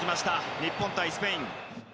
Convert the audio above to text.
日本対スペイン。